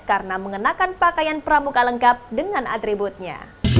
karena mengenakan pakaian pramuka lengkap dengan atributnya